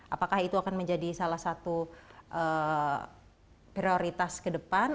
apakah itu akan menjadi salah satu prioritas ke depan